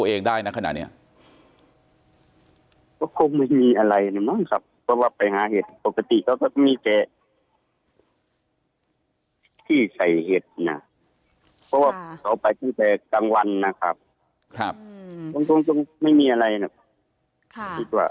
เพราะว่าเขาไปก็แค่กลางวันนะครับตรงไม่มีอะไรนะ